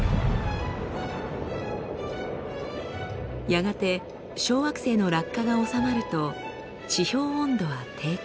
やがて小惑星の落下が収まると地表温度は低下。